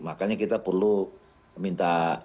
makanya kita perlu minta